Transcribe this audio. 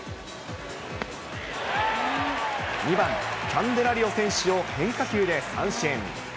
２番キャンデラリオ選手を変化球で三振。